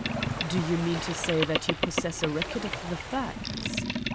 "Do you mean to say that you possess a record of the facts?"